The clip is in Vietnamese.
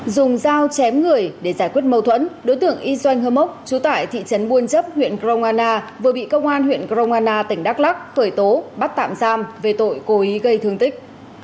dùng dao chém người để giải quyết mâu thuẫn đối tượng y doanh hơ mốc chú tải thị trấn buôn chấp huyện grongana vừa bị công an huyện grongana tỉnh đắk lắc khởi tố bắt tạm giam về tội cố ý gây thương tích